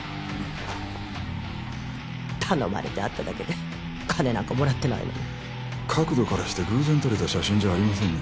頼まれて会っただけで金なんかもらってないのに角度からして偶然撮れた写真じゃありませんね